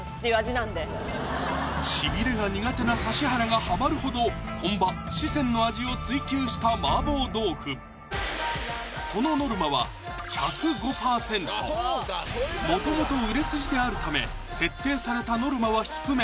しびれが苦手な指原がハマるほど本場・四川の味を追求した麻婆豆腐そのノルマはもともと売れ筋であるため設定されたノルマは低め